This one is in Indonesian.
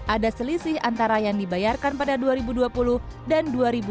ada selisih antara yang dibayarkan pada dua ribu dua puluh dan dua ribu dua puluh